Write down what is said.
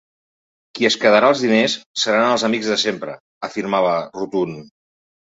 “Qui es quedarà els diners seran els amics de sempre”, afirmava, rotund.